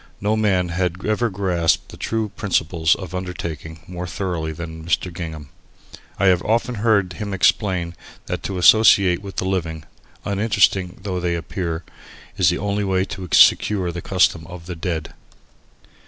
No man had ever grasped the true principles of undertaking more thoroughly than Mr. Gingham. I have often heard him explain that to associate with the living, uninteresting though they appear, is the only way to secure the custom of the dead.